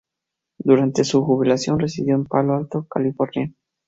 Durante su jubilación residió en Palo Alto, California.